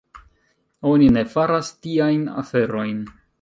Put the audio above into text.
Oni ne faras tiajn aferojn.